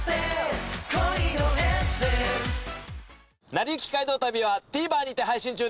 『なりゆき街道旅』はＴＶｅｒにて配信中です。